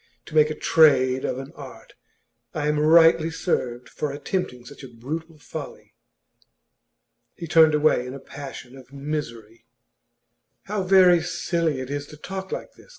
To make a trade of an art! I am rightly served for attempting such a brutal folly.' He turned away in a passion of misery. 'How very silly it is to talk like this!